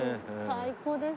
最高です。